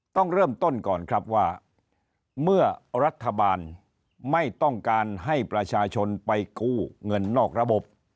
ต้องเริ่มต้นก่อนครับว่าเมื่อรัฐบาลไม่ต้องการให้ประชาชนไปกู้เงินนอกระบบ